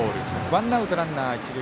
ワンアウト、ランナーが一塁。